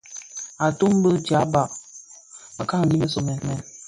Atum bi dyaba mëkangi më somèn.